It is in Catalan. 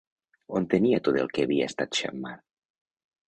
On tenia tot el que havia estat Xammar?